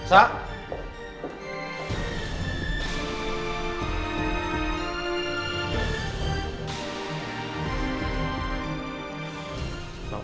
tapi liat faktanya juga dong nak